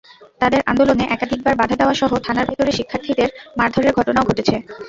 তাঁদের আন্দোলনে একাধিকবার বাধা দেওয়াসহ থানার ভেতরে শিক্ষার্থীদের মারধরের ঘটনাও ঘটেছে।